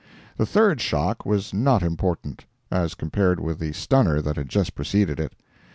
The third shock was not important, as compared with the stunner that had just preceded it.